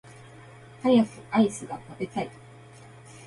早くアイスが食べたい